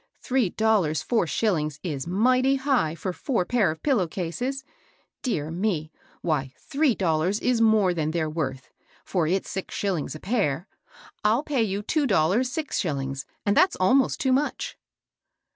Three dollars four shOlings is mighty high for four pair of pillow cases I Dear me ! why, three dollars is more than they're worth ; for it*s six shillings a pair. I'll pay you two dollars six shillings ; and that's almost too much."